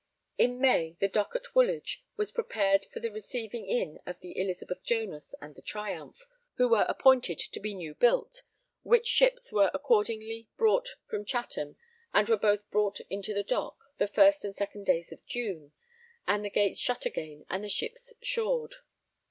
In May the dock at Woolwich was prepared for the receiving in of the Elizabeth Jonas and the Triumph, who were appointed to be new built; which ships were accordingly brought from Chatham, and were both brought into the dock, the first and second days of June, and the gates shut again and the ships shored.